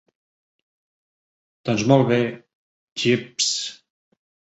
Doncs molt bé, Jeeves.